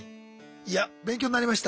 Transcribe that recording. いや勉強になりました。